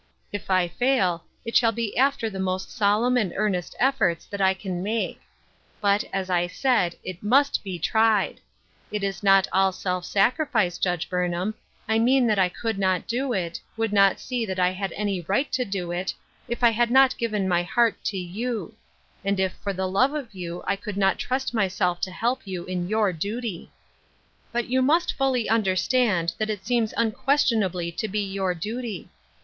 If I fail, it shall be after the most solemn and earn est efforts that I can make. Bat, as I said, it mu%t he tried. This is n, )t all self sacrifice, Judge Burnham. I mean that I could not do it, would not see that I had any right to do it, if I had not given my heart to you ; and if for the love of you I could not trust myself to help you in your duty. But you must fully understand that it seems unquestionably to be your duty.